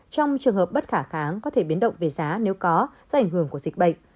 trong trường hợp bất khả kháng có thể biến động về giá nếu có do ảnh hưởng của dịch bệnh